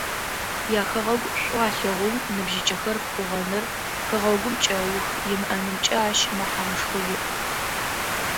Яхэгъэгу шӏу алъэгъоу ныбжьыкӏэхэр пӏугъэныр, хэгъэгум кӏэух имыӏэнымкӏэ ащ мэхьанэшхо иӏ.